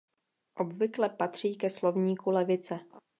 Obvykle patří ke slovníku levice.